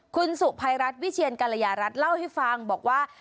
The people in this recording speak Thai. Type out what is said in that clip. คุณสุภัยรัฐวิเชียนกรยารัฐเล่าให้ฟังบอกว่า